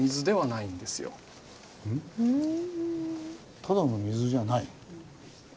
ただの水じゃない？